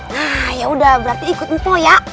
nah ya udah berarti ikut npo ya